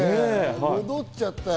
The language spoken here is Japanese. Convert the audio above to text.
戻っちゃったよ。